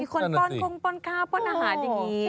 คนป้อนทุ่งป้นข้าวป้นอาหารอย่างนี้